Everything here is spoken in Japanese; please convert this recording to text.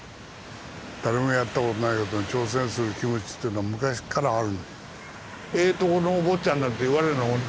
誰もやったことのないことに挑戦する気持ちというのは昔っからある。